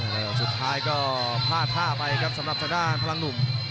แล้วสุดท้ายก็พลาดท่าไปครับสำหรับทางด้านพลังหนุ่ม